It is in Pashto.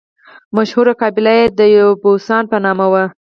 مشهوره قبیله یې د یبوسان په نامه وه.